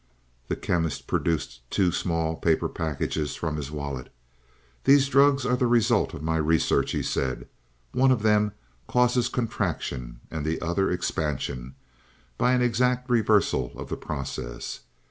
The Chemist produced two small paper packages from his wallet. "These drugs are the result of my research," he said. "One of them causes contraction, and the other expansion, by an exact reversal of the process.